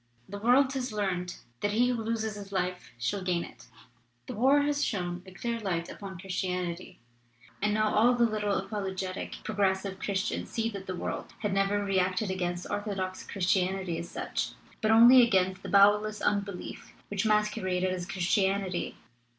The world has learned that he who loses his life shall gain it. "The war has thrown a clear light upon Chris tianity, and now all the little apologetic 'pro gressive* Christians see that the world had never reacted against orthodox Christianity as such, but only against the bowelless unbelief which mas queraded as Christianity.